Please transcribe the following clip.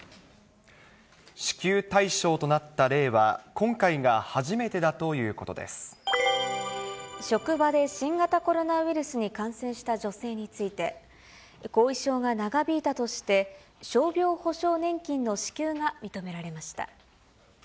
支給対象となった例は今回が職場で新型コロナウイルスに感染した女性について、後遺症が長引いたとして、傷病補償年金の支給が認められました。